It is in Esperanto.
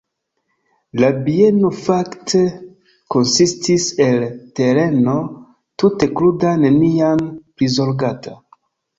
La bieno fakte konsistis el tereno tute kruda, neniam prizorgata.